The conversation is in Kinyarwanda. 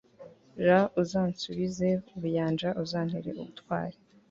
r/ uzansubize ubuyanja, uzantere ubutwari